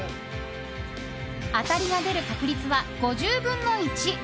当たりが出る確率は５０分の１。